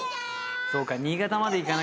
そうか。